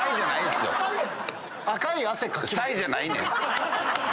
サイじゃないねん！